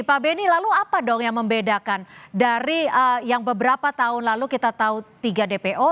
pak benny lalu apa dong yang membedakan dari yang beberapa tahun lalu kita tahu tiga dpo